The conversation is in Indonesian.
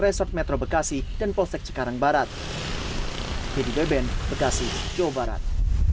resort metro bekasi dan polsek cikarang barat dedy beben bekasi jawa barat